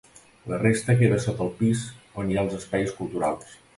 La resta queda sota el pis on hi ha els espais culturals.